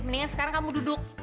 mendingan sekarang kamu duduk